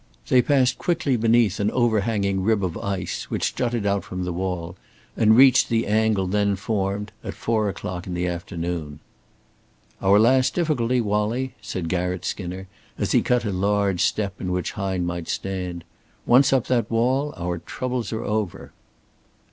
They passed quickly beneath an overhanging rib of ice which jutted out from the wall, and reached the angle then formed at four o'clock in the afternoon. "Our last difficulty, Wallie," said Garratt Skinner, as he cut a large step in which Hine might stand. "Once up that wall, our troubles are over."